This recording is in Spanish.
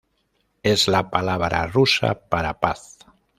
Es la palabra rusa para "paz".